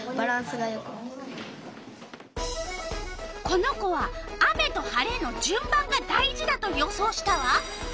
この子は雨と晴れのじゅん番が大事だと予想したわ。